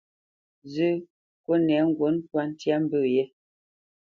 Zə́, kúnɛ ŋgǔt ntwâ ntya mbə̄ yɛ́.